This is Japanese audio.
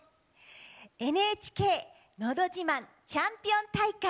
「ＮＨＫのど自慢チャンピオン大会２０２２」。